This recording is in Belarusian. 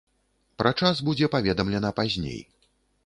Пра час будзе паведамлена пазней.